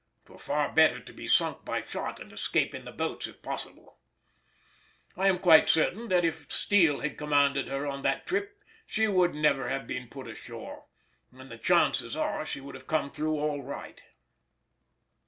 'Twere far better to be sunk by shot and escape in the boats if possible. I am quite certain that if Steele had commanded her on that trip she would never have been put ashore, and the chances are that she would have come through all right.